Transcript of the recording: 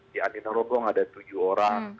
di andi narogong ada tujuh orang